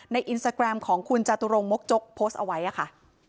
อินสตาแกรมของคุณจตุรงมกจกโพสต์เอาไว้ค่ะ